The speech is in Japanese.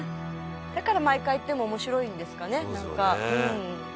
「だから毎回行っても面白いんですかねなんか」